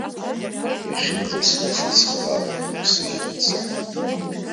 Иахьынӡасылшо цхыраарак игсыжьран сыҟам.